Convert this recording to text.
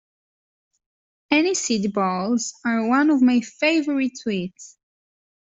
Aniseed balls are one of my favourite sweets